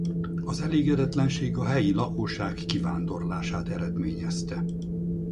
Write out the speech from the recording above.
Az elégedetlenség a helyi lakosság kivándorlását eredményezte.